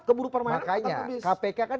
keburu permainan akan habis makanya kpk kan